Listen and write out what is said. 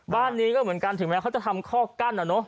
บ้านนี้ก็เหมือนกันถึงแม้เขาจะทำข้อกั้นอ่ะเนอะ